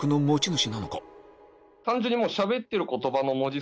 単純に。